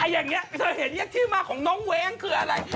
อย่างนี้เธอเห็นที่มาของน้องเว้งคืออะไร